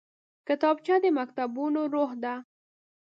کتابچه د مکتبونو روح ده